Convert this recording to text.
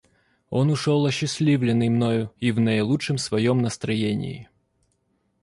Он ушел осчастливленный мною и в наилучшем своем настроении.